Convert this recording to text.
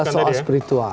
tinggal soal spiritual